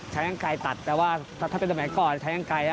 ใช้อังกายตัดแต่ว่าถ้าเป็นสมัยก่อนใช้อังกาย